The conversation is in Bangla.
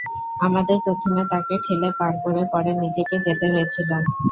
আমাদের প্রথমে তাকে ঠেলে পার করে পরে নিজেকে যেতে হয়েছিল।